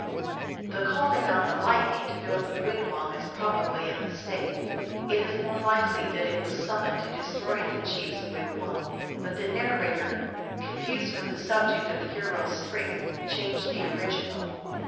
The calling on the Lightning to build a wigwam is probably a mistake. It is more likely that it was sum moned to destroy the chief s wigwam, but the narra tor, confused with the subject of the hero s strength, changed the original.